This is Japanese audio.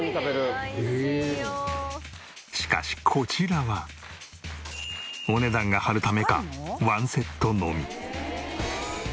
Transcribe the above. しかしこちらはお値段が張るためかワンセットのみ。